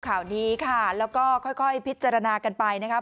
ข่าวนี้ค่ะแล้วก็ค่อยพิจารณากันไปนะครับ